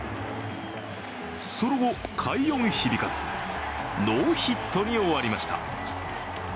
その後、快音響かず、ノーヒットに終わりました。